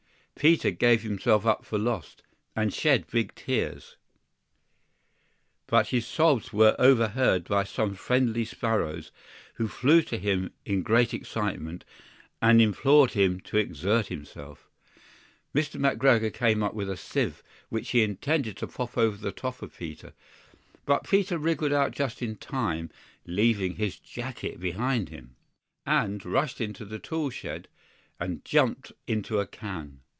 PETER gave himself up for lost, and shed big tears; but his sobs were overheard by some friendly sparrows, who flew to him in great excitement, and implored him to exert himself. MR. McGREGOR came up with a sieve, which he intended to pop upon the top of Peter; but Peter wriggled out just in time, leaving his jacket behind him. AND rushed into the toolshed, and jumped into a can.